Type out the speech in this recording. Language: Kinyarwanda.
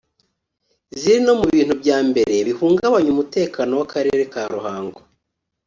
ziri no mu bintu bya mbere bihungabanya umutekano w’akarere ka Ruhango